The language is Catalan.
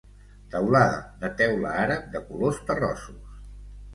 Teulada de teula àrab de colors terrossos.